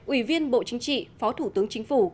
ủy viên bộ chính trị phó thủ tướng chính phủ